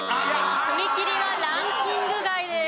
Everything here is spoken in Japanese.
踏切はランキング外です。